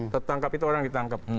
tertangkap itu orang ditangkap